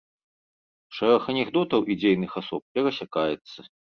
Шэраг анекдотаў і дзейных асоб перасякаецца.